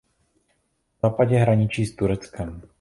Na západě hraničí s Tureckem.